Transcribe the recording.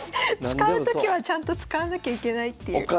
使うときはちゃんと使わなきゃいけないっていう。